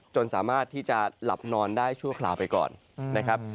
สามารถที่จะหลับนอนได้ชั่วคราวไปก่อนนะครับ